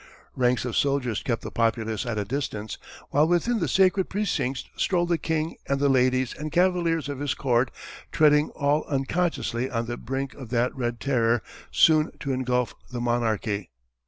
Ranks of soldiers kept the populace at a distance, while within the sacred precincts strolled the King and the ladies and cavaliers of his court treading all unconsciously on the brink of that red terror soon to engulf the monarchy.